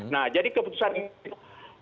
nah jadi keputusan itu